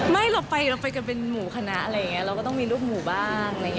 ไม่เราไปกันเป็นหมู่คณะอะไรอย่างนี้เราก็ต้องมีลูกหมู่บ้าง